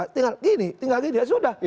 tinggal gini tinggal gini ya sudah